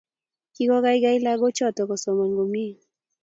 kikonai lakochoto kosoman komie